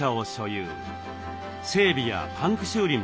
整備やパンク修理も自分で。